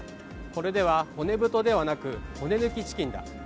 これでは骨太ではなく、骨抜きチキンだ。